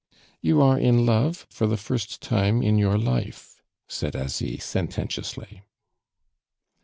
"You are in love for the first time in your life?" said Asie sententiously.